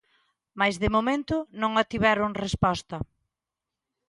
Mais de momento non obtiveron resposta.